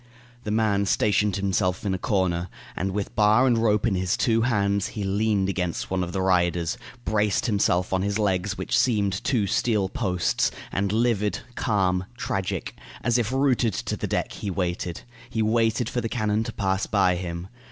The man stationed himself in a corner, and, with bar and rope in his two hands, he leaned against one of the riders, braced himself on his legs, which seemed two steel posts; and livid, calm, tragic, as if rooted to the deck, he waited. He waited for the cannon to pass by him.